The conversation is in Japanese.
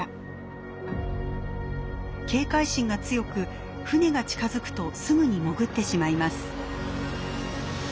警戒心が強く船が近づくとすぐに潜ってしまいます。